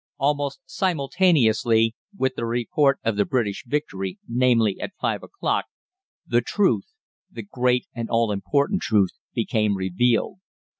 "Almost simultaneously with the report of the British victory, namely, at five o'clock, the truth the great and all important truth became revealed.